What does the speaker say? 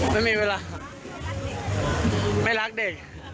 ไม่มีเวลาไม่รักเด็ก